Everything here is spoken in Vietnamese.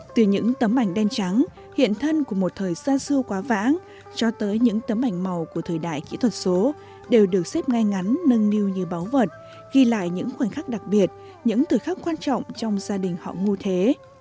từ những tấm ảnh đen trắng hiện thân của một thời xa xưa quá vãng cho tới những tấm ảnh màu của thời đại kỹ thuật số đều được xếp ngay ngắn nâng niu như báu vật ghi lại những khoảnh khắc đặc biệt những thời khắc quan trọng trong gia đình họ ngu thế